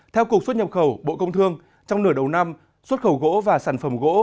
theo cục xuất nhập khẩu bộ công thương trong nửa đầu năm xuất khẩu gỗ và sản phẩm gỗ